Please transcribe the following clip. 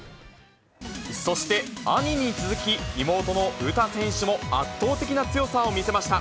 そして、兄に続き、妹の詩選手も圧倒的な強さを見せました。